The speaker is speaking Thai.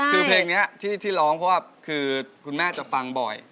คือเพลงนี้ที่ร้องเพราะว่าคือคุณแม่จะฟังบ่อย